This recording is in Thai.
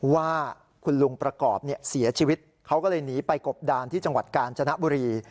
ว่าคุณลุงประกอบเสียชีวิตเขาก็เลยหนีไปกบดานที่จังหวัดกาญจนบุรี